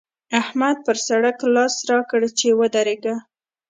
احمد پر سړک لاس راکړ چې ودرېږه!